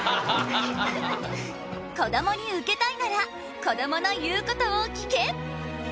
こどもにウケたいならこどもの言うことを聞け！